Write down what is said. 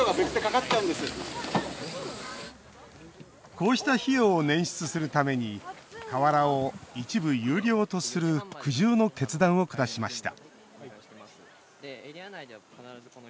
こうした費用を捻出するために河原を一部有料とする苦渋の決断を下しました